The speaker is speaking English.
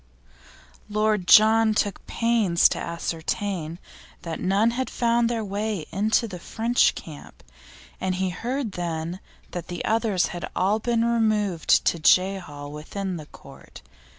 Lord John took pains to ascertain that none had found their way into the French camp, and he heard then that the others had all been removed to Jehal with the Court.